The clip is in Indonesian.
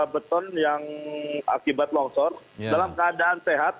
beton yang akibat longsor dalam keadaan sehat